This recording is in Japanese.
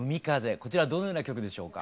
こちらどのような曲でしょうか？